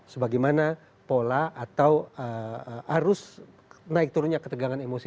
sebagaimana pola atau arus naik turunnya ketegangan emosi